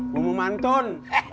gua mau mantun